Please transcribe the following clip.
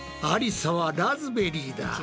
ありさはラズベリーだ。